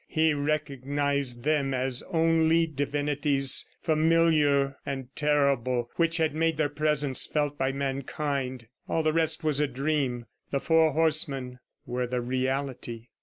He recognized them as only divinities, familiar and terrible which had made their presence felt by mankind. All the rest was a dream. The four horsemen were the reality.